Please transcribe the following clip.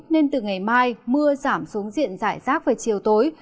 nên từ ngày mai mưa giảm xuống diện giải rác về chiều tối